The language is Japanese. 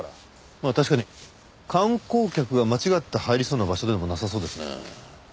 まあ確かに観光客が間違って入りそうな場所でもなさそうですね。